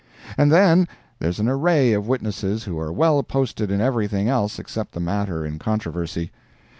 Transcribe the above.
And then, there's an array of witnesses who are well posted in everything else except the matter in controversy.